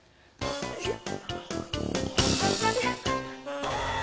いや。